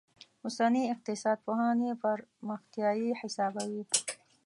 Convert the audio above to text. اوسني اقتصاد پوهان یې پرمختیايي حسابوي.